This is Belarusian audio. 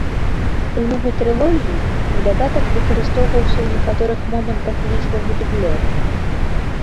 У новай трылогіі ў дадатак выкарыстоўваўся ў некаторых момантах лічбавы дублёр.